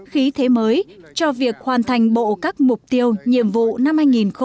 khí thế mới cho việc hoàn thành bộ các mục tiêu nhiệm vụ năm hai nghìn một mươi chín